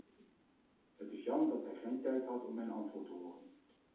Het is jammer dat hij geen tijd had om mijn antwoord horen.